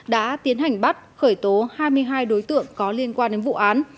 đã tiến hành bắt khởi tố hai mươi hai đối tượng có liên quan đến vụ án